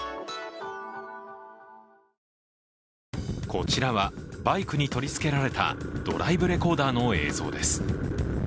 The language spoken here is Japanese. こちらはバイクに取り付けられたドライブレコーダーの映像です。